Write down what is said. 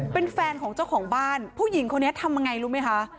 เป็นแฟนของเจ้าของบ้านผู้หญิงคนนี้ทำยังไงรู้ไหมคะ